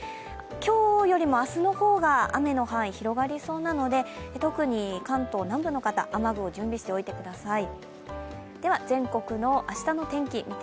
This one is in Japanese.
今日よりも明日の方が雨の範囲、広がりそうなので特に関東南部の方、雨具を準備しておいてください。